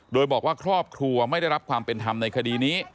โดยบอกว่าครอบครัวไม่ได้รับความเป็นธรรมในคดีนี้